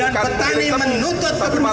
dan petani menuntut keberjakan pemerintah